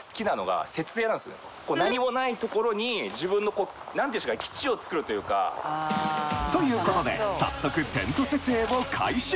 何もないところに自分の何て言うんですか基地を作るというか。ということで早速テント設営を開始